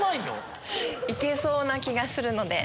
行けそうな気がするので。